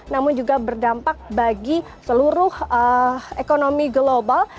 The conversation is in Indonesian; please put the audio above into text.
namun juga berdampak bagi seluruh ekonomi global